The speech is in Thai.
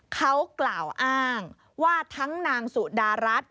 เขากล่าวอ้างว่าทั้งนางสุดารัฐ